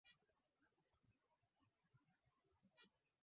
Tunategemeana kwa kila hali iwe kheri au shari